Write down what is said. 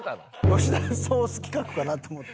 ヨシダソース企画かなと思って。